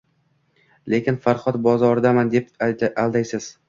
Lekin “Farxod bozoridaman”, deb aldaysiz.